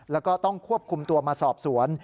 แล้วก็ต้องควบคุมตัวมาสอบสวน